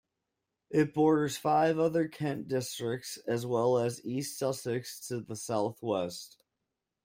It borders five other Kent districts, as well as East Sussex to the south-west.